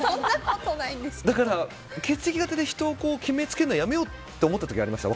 だから血液型で人を決めつけるのはやめようって思ったことがありました